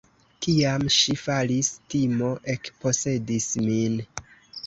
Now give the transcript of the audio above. Kiam ŝi falis, timo ekposedis min.